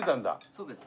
そうです。